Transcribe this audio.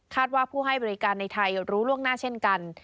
ว่าผู้ให้บริการในไทยรู้ล่วงหน้าเช่นกัน